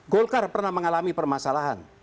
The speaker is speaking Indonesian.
golkar pernah mengalami permasalahan